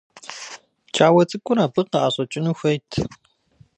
Пкӏауэ цӏыкӏур абы къыӏэщӏэкӏыну хуейт.